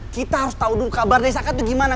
kita harus tau dulu kabar desa kan itu gimana